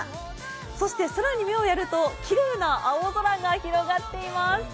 そして空に目をやるときれいな青空が広がっています。